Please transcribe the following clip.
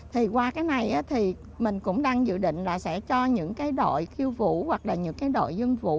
thì qua cái này thì mình cũng đang dự định là sẽ cho những cái đội khiêu vũ hoặc là những cái đội dân vũ